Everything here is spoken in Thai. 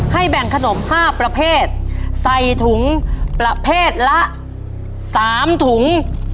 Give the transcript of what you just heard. แบ่งขนม๕ประเภทใส่ถุงประเภทละ๓ถุง